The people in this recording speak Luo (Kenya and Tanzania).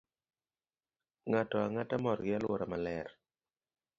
Ng'ato ang'ata mor gi alwora maler.